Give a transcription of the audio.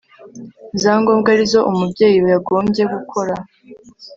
za ngombwa ari zo umubyeyi yagombye gukora